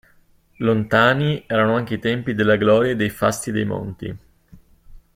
Lontani erano anche i tempi della gloria e dei fasti dei monti.